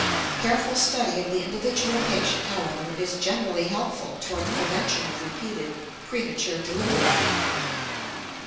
Careful study of the individual patient, however, is generally helpful toward the prevention of repeated premature delivery.